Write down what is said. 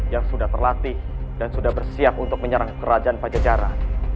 yang sudah terlatih dan sudah bersiap untuk menyerang kerajaan pajajaran